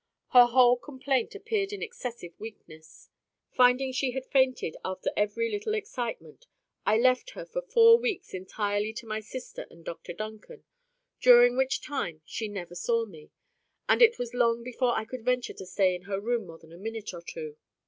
Her whole complaint appeared in excessive weakness. Finding that she fainted after every little excitement, I left her for four weeks entirely to my sister and Dr Duncan, during which time she never saw me; and it was long before I could venture to stay in her room more than a minute or two.